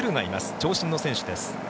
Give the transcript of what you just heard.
長身の選手です。